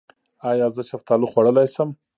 ایا زه شفتالو خوړلی شم؟